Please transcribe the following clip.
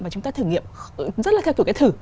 và chúng ta thử nghiệm rất là theo kiểu cái thử